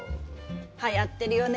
はやってるよね